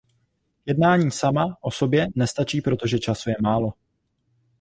Jednání sama o sobě nestačí protože času je málo.